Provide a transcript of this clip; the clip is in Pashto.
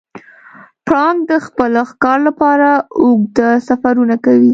پړانګ د خپل ښکار لپاره اوږده سفرونه کوي.